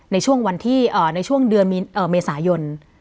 ในช่วงวันที่ในช่วงเดือนเมษายน